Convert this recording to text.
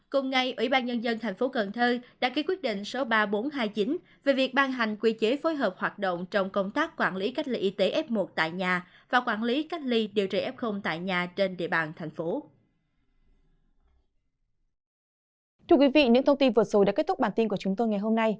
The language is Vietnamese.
cùng ngày ủy ban nhân dân thành phố cần thơ đã ký quyết định số ba nghìn bốn trăm hai mươi chín về việc ban hành quy chế phối hợp hoạt động trong công tác quản lý cách ly y tế f một tại nhà và quản lý cách ly điều trị f tại nhà trên địa bàn thành phố